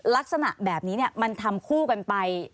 ลักษณะแบบนี้มันทำคู่กันไป